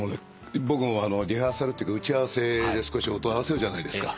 僕もリハーサルっていうか打ち合わせで少し音合わせるじゃないですか。